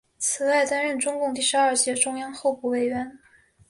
此外担任中共第十二届中央候补委员。